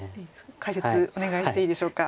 解説お願いしていいでしょうか。